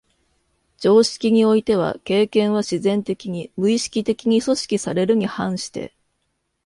常識においては経験は自然的に、無意識的に組織されるに反して、